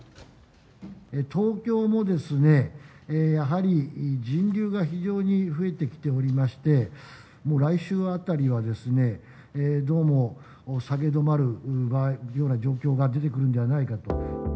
東京もですね、やはり人流が非常に増えてきておりまして、もう来週あたりは、どうも下げ止まるような状況が出てくるんではないかと。